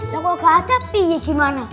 ya kalau gak ada kepih gimana